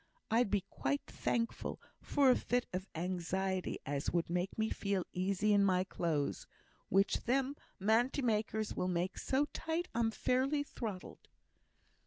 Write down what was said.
I'd be quite thankful for a fit of anxiety as would make me feel easy in my clothes, which them manty makers will make so tight I'm fairly throttled."